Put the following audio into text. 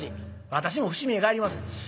私も伏見へ帰ります。